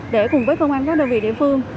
để cùng với công an các đơn vị địa phương